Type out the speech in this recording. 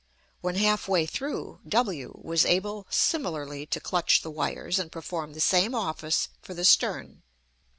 When half way through, W was able similarly to clutch the wires, and perform the same office for the stern.